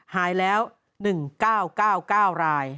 หายแล้ว๑๙๙๙ราย